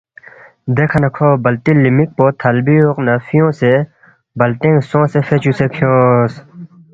“ دیکھہ نہ کھو بَلٹی لِمک پو تھلبی اوق نہ فیُونگسے بَلٹِنگ سونگسے فے چُوسے کھیونگس